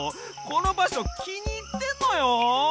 このばしょきにいってんのよ！